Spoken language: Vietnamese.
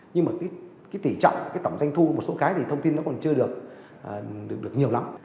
nhưng tỷ trọng tổng doanh thu một số cái thì thông tin nó còn chưa được nhiều lắm